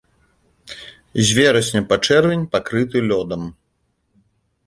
З верасня па чэрвень пакрыты лёдам.